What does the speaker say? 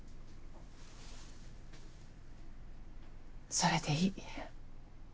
それでいい。